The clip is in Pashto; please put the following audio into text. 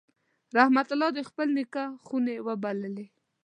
رحمت الله د خپل نیکه خونې وبللې.